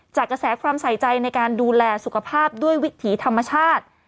กระแสความใส่ใจในการดูแลสุขภาพด้วยวิถีธรรมชาติ